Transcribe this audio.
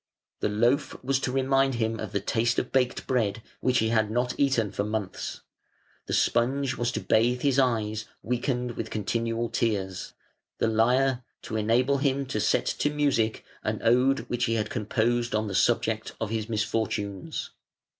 The loaf was to remind him of the taste of baked bread, which he had not eaten for months; the sponge was to bathe his eyes, weakened with continual tears; the lyre, to enable him to set to music an ode which he had composed on the subject of his misfortunes.